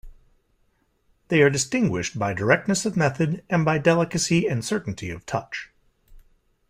They are distinguished by directness of method and by delicacy and certainty of touch.